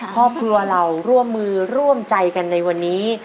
ครอบครัวเราร่วมมือร่วมใจกันในวันนี้